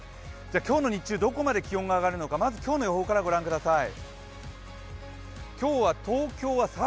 今日の日中どこまで気温が上がるのか、まず今日の予報から御覧ください。